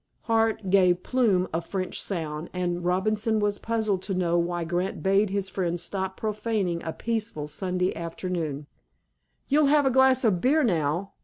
Hart gave "plume" a French sound, and Robinson was puzzled to know why Grant bade his friend stop profaning a peaceful Sunday afternoon. "You'll have a glass of beer now?"